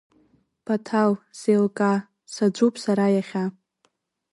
Баҭал, сеилкаа, саӡәуп сара иахьа…